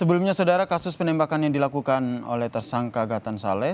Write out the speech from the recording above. sebelumnya saudara kasus penembakan yang dilakukan oleh tersangka gatan saleh